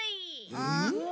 うん？